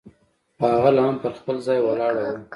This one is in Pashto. خو هغه لا هم پر خپل ځای ولاړه وه.